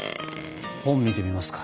本見てみますか。